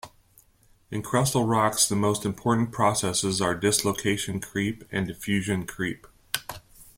In crustal rocks the most important processes are dislocation creep and diffusion creep.